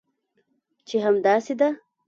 چې همداسې ده؟